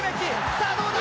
さぁ、どうだ？